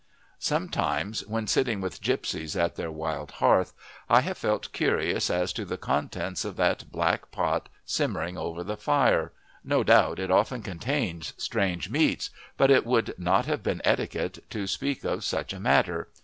Sometimes when sitting with gipsies at their wild hearth, I have felt curious as to the contents of that black pot simmering over the fire. No doubt it often contains strange meats, but it would not have been etiquette to speak of such a matter.